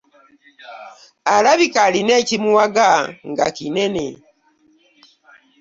Alabika alina ekimuwaga nga kinene.